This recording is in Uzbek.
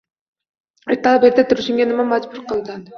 - Ertalab erta turishingga nima majbur qiladi?